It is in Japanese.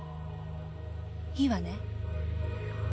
いいわね？